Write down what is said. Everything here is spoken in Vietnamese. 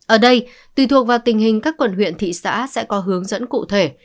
ở đây tùy thuộc vào tình hình các quần huyện thị xã sẽ có hướng dẫn cụ thể